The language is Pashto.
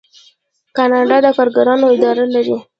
کاناډا د کارګرانو اداره لري.